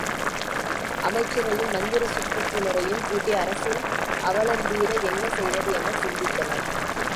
அமைச்சரையும் மந்திரச் சுற்றத்தினரையும் கூட்டி அரசனின் அவலந்தீர என்ன செய்வது எனச் சிந்தித்தனர்.